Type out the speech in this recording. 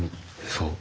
そう。